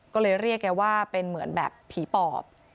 ก็เลยเรียกแกว่าเป็นเหมือนแบบผีปอบ